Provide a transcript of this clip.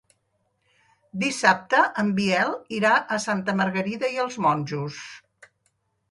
Dissabte en Biel irà a Santa Margarida i els Monjos.